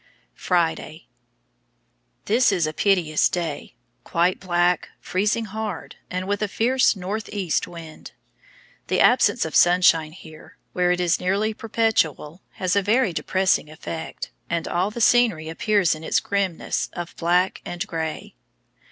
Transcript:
Friday. This is a piteous day, quite black, freezing hard, and with a fierce north east wind. The absence of sunshine here, where it is nearly perpetual, has a very depressing effect, and all the scenery appears in its grimness of black and gray.